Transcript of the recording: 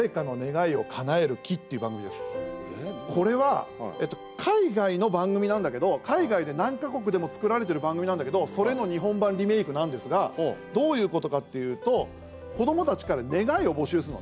これは、海外の番組なんだけど海外で何か国でも作られてる番組なんだけどそれの日本版リメークなんですがどういうことかっていうと子どもたちから願いを募集するの。